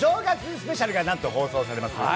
スペシャルがなんと放送されます。